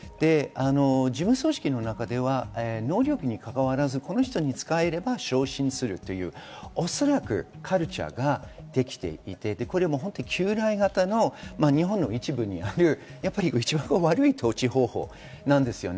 事務組織の中で能力にかかわらず、この人が使えれば昇進するというカルチャーができていて、旧来型の日本の一部にある、内輪の統治方法なんですね。